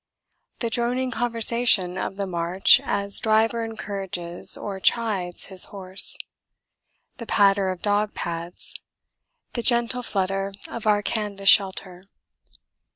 The droning conversation of the march as driver encourages or chides his horse. The patter of dog pads. The gentle flutter of our canvas shelter.